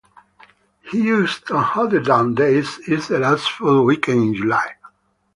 "Houston Hoedown Days" is the last full weekend in July.